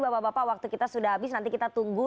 bapak bapak waktu kita sudah habis nanti kita tunggu